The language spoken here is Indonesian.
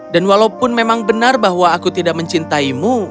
dan walaupun memang benar bahwa aku tidak mencintaimu